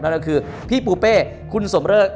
นั่นก็คือพี่ปูเป้คุณสมเริก